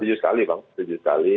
setuju sekali bang tujuh sekali